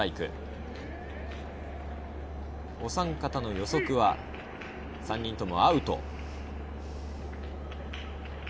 お三方の予測は３人ともアウト。